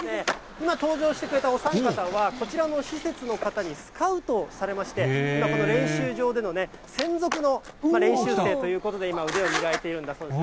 今、登場してくれたお三方は、こちらの施設の方にスカウトされまして、今この練習場での専属の練習生ということで、今、腕を磨いているんだそうです。